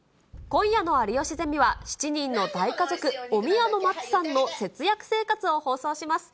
今夜の有吉ゼミは、７人の大家族、お宮の松さんの節約生活を放送します。